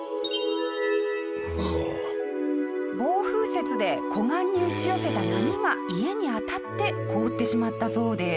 暴風雪で湖岸に打ち寄せた波が家に当たって凍ってしまったそうです。